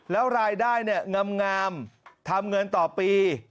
แล้วรายได้งามทำเงินต่อปี